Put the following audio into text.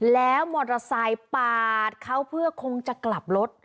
แล้วมอเตอร์ไซค์ปาดเขาเพื่อคงจะกลับรถ